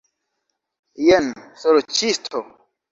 Jen, sorĉisto!